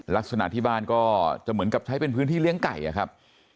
ลักษณะที่บ้านก็จะเหมือนกับใช้เป็นพื้นที่เลี้ยงไก่อะครับ